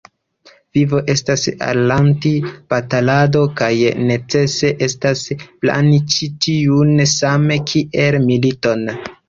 Vivo estas al Lanti batalado, kaj necese estas plani ĉi tiun same kiel militon.